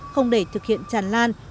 không để thực hiện chặt lan